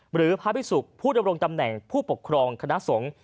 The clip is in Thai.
หรือพระพิสุกผู้ดำรงตำแหน่งผู้ปกครองคณะสงฆ์